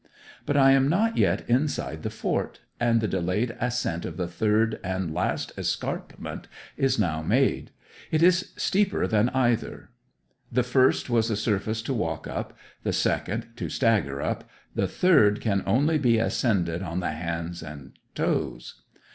But I am not yet inside the fort, and the delayed ascent of the third and last escarpment is now made. It is steeper than either. The first was a surface to walk up, the second to stagger up, the third can only be ascended on the hands and toes.